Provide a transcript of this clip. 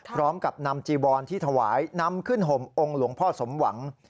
พร้อมกับนำจีวอนที่ถวายนำขึ้นห่มองค์หลวงพ่อสมหวัง